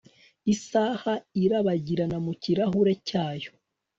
isaha irabagirana mu kirahure cyayo